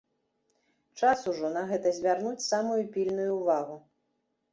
Час ужо на гэта звярнуць самую пільную ўвагу.